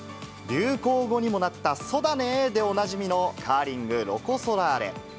流行語にもなったそだねーでおなじみの、カーリング、ロコ・ソラーレ。